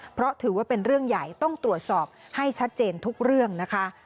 เพราะถือว่าเป็นเรื่องใหญ่ต้องตรวจสอบให้ชัดเจนทุกเรื่องนะคะ